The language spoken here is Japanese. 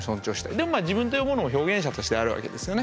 でもまあ自分というものも表現者としてあるわけですよね。